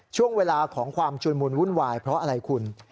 ช่วงเวลาของความชุนมุนวุ่นวายเพราะอะไรคุณ